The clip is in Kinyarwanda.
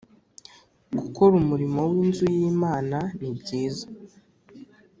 gukora umurimo w’inzu y Imana ni byiza